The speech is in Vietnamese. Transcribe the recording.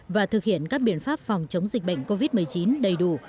và thực hiện các biện pháp phòng chống dịch bệnh covid một mươi chín đầy đủ